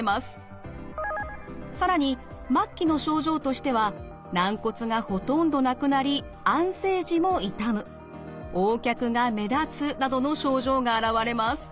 更に末期の症状としては軟骨がほとんどなくなり安静時も痛むＯ脚が目立つなどの症状が現れます。